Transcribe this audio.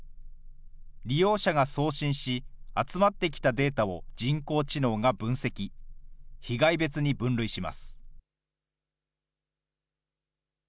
利用者が送信し、集まってきたデータを人工知能が分析、被害別に分類します。